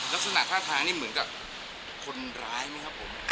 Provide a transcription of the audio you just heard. ลักษณะท่าทางนี่เหมือนกับคนร้ายไหมครับผม